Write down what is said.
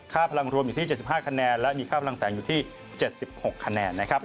พลังรวมอยู่ที่๗๕คะแนนและมีค่าพลังแต่งอยู่ที่๗๖คะแนนนะครับ